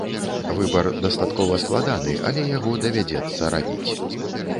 Выбар дастаткова складаны, але яго давядзецца рабіць.